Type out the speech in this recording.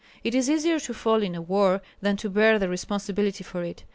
It is easier to fall in a war than to bear the responsibility for it.